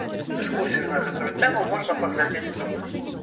Дыскусію на гэтую тэму можна паглядзець тут.